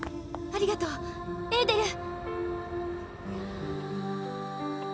ありがとうエーデル！